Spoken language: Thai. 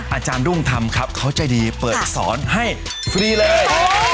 อาจารย์รุ่งทำครับเขาใจดีเปิดสอนให้ฟรีเลย